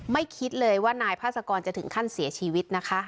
คิดเลยว่านายพาสกรจะถึงขั้นเสียชีวิตนะคะ